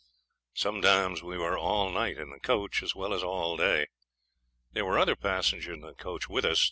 Sometimes we were all night in the coach as well as all day. There were other passengers in the coach with us.